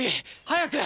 早く！